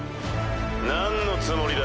なんのつもりだ？